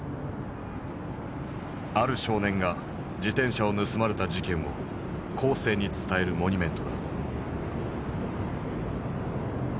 ある少年が自転車を盗まれた事件を後世に伝えるモニュメントだ。